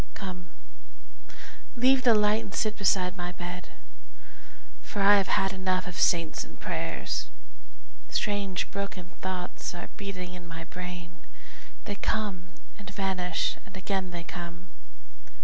Come, leave the light and sit beside my bed, For I have had enough of saints and prayers. Strange broken thoughts are beating in my brain, They come and vanish and again they come.